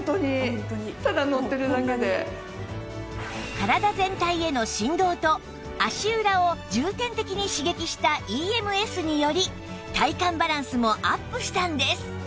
体全体への振動と足裏を重点的に刺激した ＥＭＳ により体幹バランスもアップしたんです